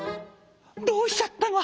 「どうしちゃったの？